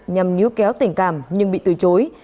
nhằm nhú kéo tình cảm nhưng bị từ chối